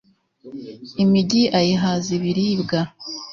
imigi ayihaza ibiribwa